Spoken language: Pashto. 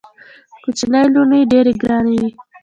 کوچنۍ لوڼي ډېري ګراني وي.